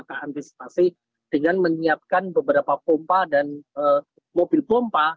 kita antisipasi dengan menyiapkan beberapa pompa dan mobil pompa